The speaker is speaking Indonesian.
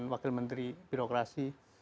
wakil menteri birokrasi